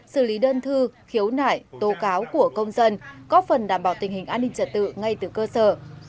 xử lý đơn thư khiếu nại tố cáo của công dân có phần đảm bảo tình hình an ninh trật tự ngay từ cơ sở